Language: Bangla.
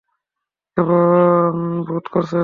কেমন বোধ করছ এখন?